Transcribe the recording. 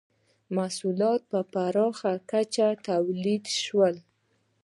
• محصولات په پراخه کچه تولید شول.